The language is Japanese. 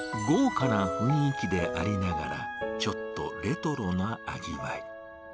豪華な雰囲気でありながら、ちょっとレトロな味わい。